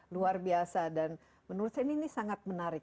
luar biasa dan menurut saya ini sangat menarik